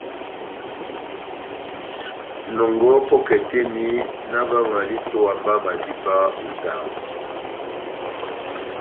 Nɔngɔhɔ pɔ́kɛ tɛ́h eni, na ová omaval a itówa mba madíba ó idango.